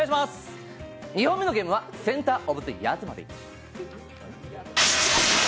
２本目のゲームは「センター・オブ・ジ・ヤジマリー」。